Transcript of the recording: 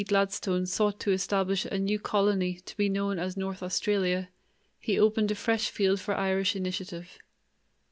Gladstone sought to establish a new colony to be known as North Australia, he opened a fresh field for Irish initiative.